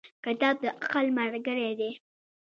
• کتاب د عقل ملګری دی.